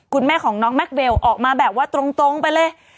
คุณแม่ของน้องแม็กเวลออกมาแบบว่าตรงไปเลย